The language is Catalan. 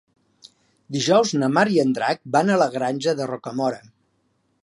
Dijous na Mar i en Drac van a la Granja de Rocamora.